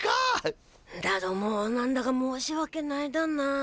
だども何だか申しわけないだな。